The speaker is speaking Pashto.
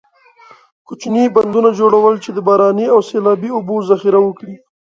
کوچنۍ بندونو جوړول چې د باراني او سیلابي اوبو ذخیره وکړي.